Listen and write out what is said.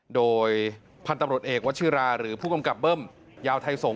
โดยพันธุ์ตำรวจเอกวัชิราหรือผู้กำกับเบิ้มยาวไทยสงฆ